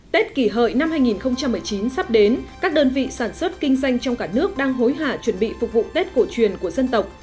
tết kỷ hợi năm hai nghìn một mươi chín sắp đến các đơn vị sản xuất kinh doanh trong cả nước đang hối hả chuẩn bị phục vụ tết cổ truyền của dân tộc